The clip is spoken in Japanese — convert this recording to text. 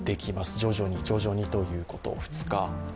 徐々に、徐々にということ。